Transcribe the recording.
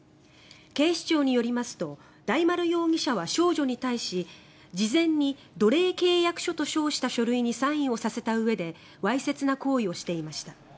警視庁によりますと大丸容疑者は少女に対し事前に奴隷契約書と称した書類にサインをさせたうえでわいせつな行為をしていました。